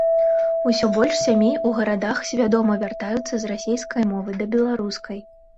Усё больш сямей у гарадах свядома вяртаюцца з расейскай мовы да беларускай.